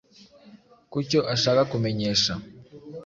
ku cyo ashaka kumenyesha